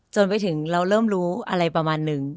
จนไปถึงเราเริ่มรู้อะไรประมาณนึง